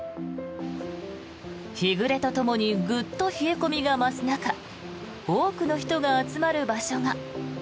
日暮れとともにグッと冷え込みが増す中多くの人が集まる場所が。